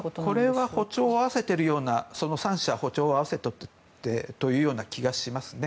これは歩調を合わせているような３者歩調を合わせてというような気がしますね。